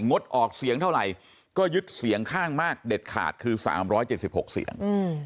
งดออกเสียงเท่าไหร่ก็ยึดเสียงข้างมากเด็ดขาดคือ๓๗๖เสียง